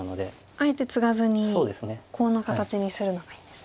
あえてツガずにコウの形にするのがいいんですね。